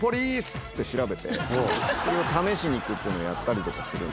っつって調べてそれを試しにいくっていうのやったりとかするんですけど。